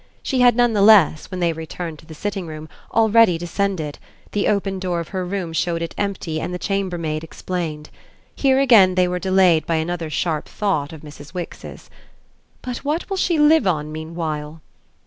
She had none the less, when they returned to the sitting room, already descended; the open door of her room showed it empty and the chambermaid explained. Here again they were delayed by another sharp thought of Mrs. Wix's. "But what will she live on meanwhile?"